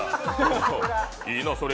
いいな、それ。